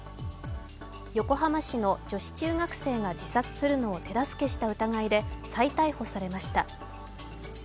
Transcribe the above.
横浜市の女子中学生が自殺するのを手助けした疑いで再逮捕されました。